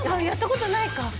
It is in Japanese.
やったことないか。